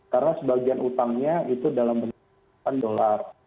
karena sebagian utangnya itu dalam bentuk dolar